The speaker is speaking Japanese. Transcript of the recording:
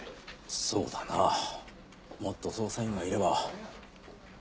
そうだなもっと捜査員がいれば。